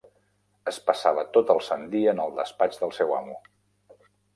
Es passava tot el sant dia en el despatx del seu amo